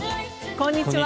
こんにちは。